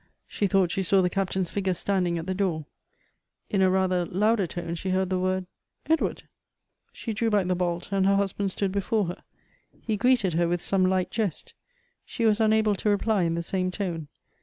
She thought she saw the C.iji tain's figure standing at the door. In a rather lonilcr tone, she heard the word " Edward !" She drew back the bolt, and her husband stood before lier. He greeted her with some light jest. She was unable to reply in the same tone.